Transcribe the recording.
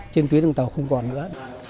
trên tuyến đường tàu không còn nữa